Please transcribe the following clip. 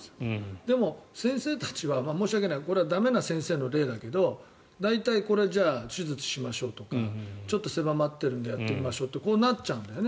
でも、先生たちは申し訳ないこれは駄目な先生の例だけど大体、これは手術しましょうとかちょっと狭まっているんだよって話でこうなっちゃうんだよね。